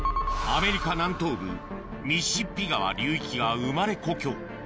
アメリカ南東部ミシシッピ川流域が生まれ故郷